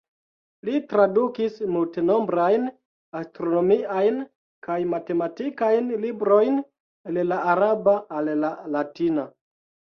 Li tradukis multenombrajn astronomiajn kaj matematikajn librojn el la araba al la latina.